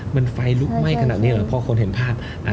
มันไฟลุกไหม้ขนาดนี้เหรอพอคนเห็นภาพ